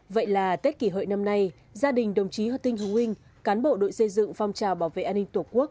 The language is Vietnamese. vậy là tết kỷ hội năm nay gia đình đồng chí hất tinh hữu nguyên cán bộ đội xây dựng phong trào bảo vệ an ninh tổ quốc